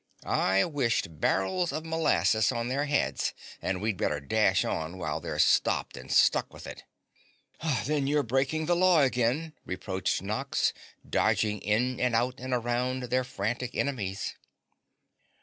"I wished barrels of molasses on their heads and we'd better dash on while they're stopped and stuck with it." "Then you've been breaking the law again," reproached Nox, dodging in and out and around their frantic enemies.